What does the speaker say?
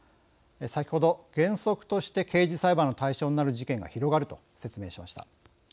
先ほど、原則として刑事裁判の対象になる事件が広がると説明しました。